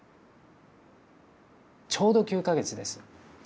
ちょうど９か月です。